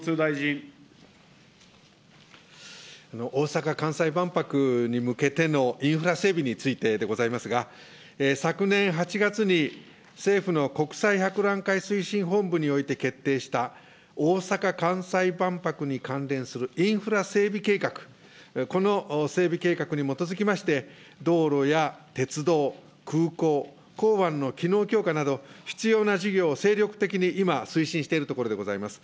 大阪・関西万博に向けてのインフラ整備についてでございますが、昨年８月に政府の国際博覧会推進本部において決定した大阪・関西万博に関連するインフラ整備計画、この整備計画に基づきまして、道路や鉄道、空港、港湾の機能強化など、必要な事業を精力的に今、推進しているところでございます。